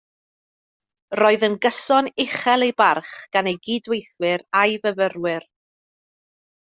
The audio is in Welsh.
Roedd yn gyson uchel ei barch gan ei gydweithwyr a'i fyfyrwyr